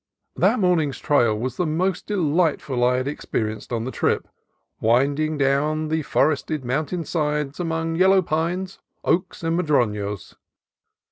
That morning's trail was the most delightful I had experienced on the trip, winding down the for ested mountain side among yellow pines, oaks, and madronos.